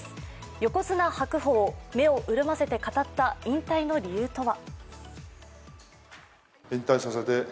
横綱・白鵬、目を潤ませて語った引退の理由とは？